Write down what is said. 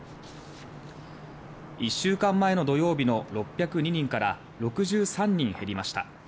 １週間前の土曜日の６０２人から６３人減りました。